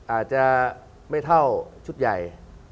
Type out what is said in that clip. อาจจะไม่เท่าชุดใหญ่